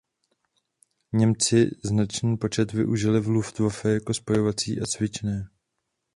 Němci značný počet využili v Luftwaffe jako spojovací a cvičné.